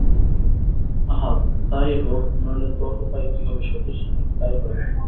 আহা তাই হোক, নইলে তোর উপায় কী হবে সতীশ, আমি তাই ভাবি।